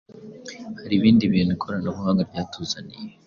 Hari ibindi bintu ikoranabuhanga ryatuzaniye.